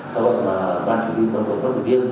cho gọi là đoàn chủ yếu quân quận bắc tử liêm